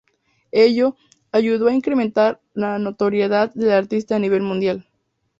Ello, ayudó a incrementar la notoriedad del artista a nivel mundial.